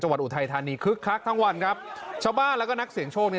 วัดอุทัยธานีคึกคักทั้งวันครับชาวบ้านแล้วก็นักเสียงโชคเนี่ย